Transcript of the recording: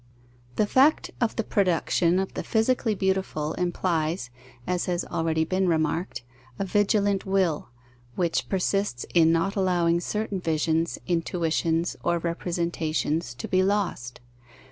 _ The fact of the production of the physically beautiful implies, as has already been remarked, a vigilant will, which persists in not allowing certain visions, intuitions, or representations, to be lost.